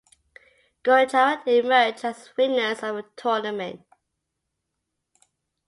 Gujarat emerged as winners of the tournament.